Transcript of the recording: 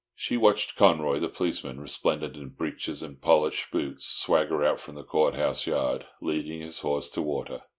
She watched Conroy, the policeman, resplendent in breeches and polished boots, swagger out from the court house yard, leading his horse to water.